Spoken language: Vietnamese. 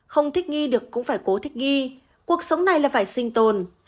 không thích nghi được cũng phải cố thích nghi cuộc sống này là phải sinh tồn